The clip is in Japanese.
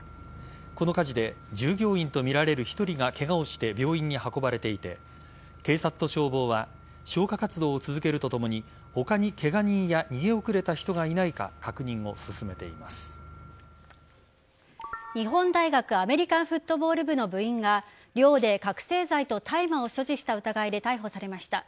この火事で従業員とみられる１人がケガをして病院に運ばれていて警察と消防は消火活動を続けるとともに他にケガ人や逃げ遅れた人がいないか日本大学アメリカンフットボール部の部員が寮で覚醒剤と大麻を所持した疑いで逮捕されました。